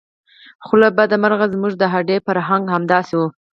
خو له بده مرغه زموږ د هډې فرهنګ همداسې و.